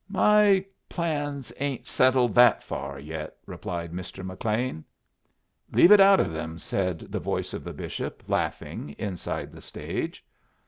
"My plans ain't settled that far yet," replied Mr. McLean. "Leave it out of them," said the voice of the bishop, laughing, inside the stage.